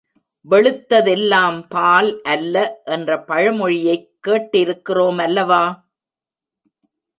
வெளுத்ததெல்லாம் பால் அல்ல என்ற பழமொழியைக் கேட்டிருக்கிறோம் அல்லவா?